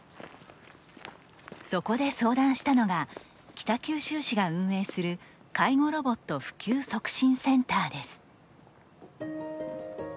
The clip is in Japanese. そこで相談したのが北九州市が運営する介護ロボット普及促進センターです。